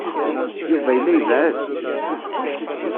Yuba yella ibeɛɛed.